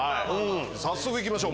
早速行きましょう